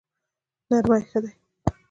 نرمي ښه دی.